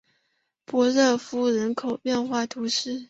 波热夫人口变化图示